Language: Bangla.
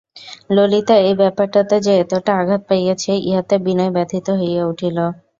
ললিতা এই ব্যাপারটাতে যে এতটা আঘাত পাইয়াছে ইহাতে বিনয় ব্যথিত হইয়া উঠিল।